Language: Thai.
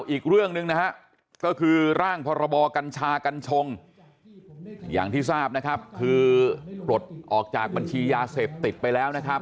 อีกเรื่องหนึ่งก็คือร่างพรบอกัญชากัญชงอย่างที่ทราบคือปลดออกจากบัญชียาเสพติดไปแล้ว